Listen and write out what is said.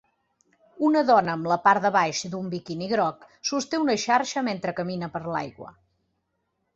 Una dona amb la part de baix d'un biquini groc sosté una xarxa mentre camina per l'aigua.